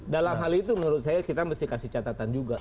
dalam hal itu menurut saya kita mesti kasih catatan juga